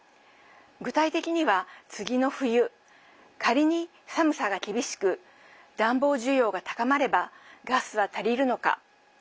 具体的には次の冬、仮に寒さが厳しく暖房需要が高まればガスは足りるのか。